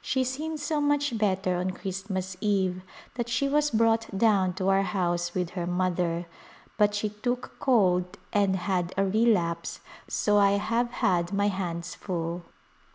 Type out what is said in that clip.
She seemed so much better on Christmas Eve that she was brought down to our house with her mother, but she took cold and had a relapse so I have had my hands full.